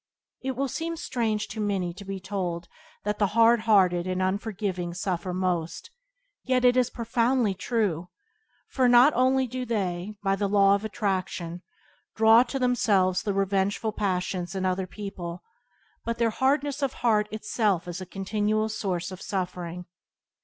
It will seem strange to many to be told that the hardhearted and unforgiving suffer most; yet it is profoundly true, for not only do they, by the law of attraction, draw to themselves the revengeful passions in other people, but their hardness of heart itself is a continual source of suffering.